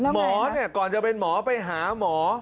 หมอก่อนจะเป็นหมอไปหาหมอ